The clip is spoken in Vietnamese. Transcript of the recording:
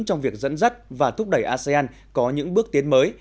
trong việc dẫn dắt và thúc đẩy asean có những bước tiến mới